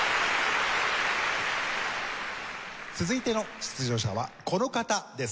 続いての出場者はこの方です。